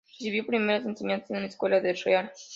Recibió primeras enseñanzas en la Escuela del Real.